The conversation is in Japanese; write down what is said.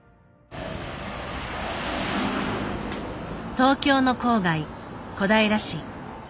東京の郊外小平市。